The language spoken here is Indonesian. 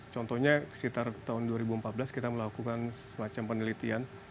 contohnya sekitar tahun dua ribu empat belas kita melakukan semacam penelitian